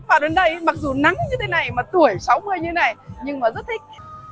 và đến đây mặc dù nắng như thế này tuổi sáu mươi như thế này nhưng mà rất thích